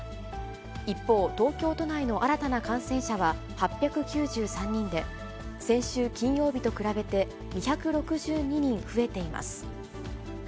一方、東京都内の新たな感染者は８９３人で、先週金曜日と比べて２６２人増えています。